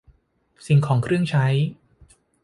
สิ่งของเครื่องใช้